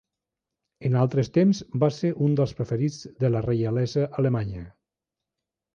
En altres temps va ser un del preferits de la reialesa alemanya.